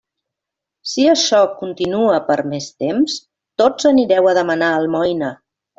Si açò continua per més temps, tots anireu a demanar almoina.